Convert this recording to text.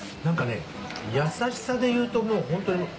何かねやさしさで言うともうホントに。